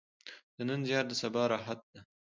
د نن زیار د سبا راحت ده.